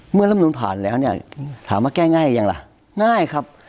รำนูนผ่านแล้วเนี่ยถามว่าแก้ง่ายยังล่ะง่ายครับ